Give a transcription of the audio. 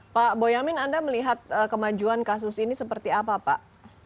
pak boyamin anda melihat kemajuan kasus ini seperti apa pak